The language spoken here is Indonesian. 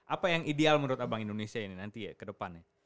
apa yang ideal menurut abang indonesia ini nanti ya ke depannya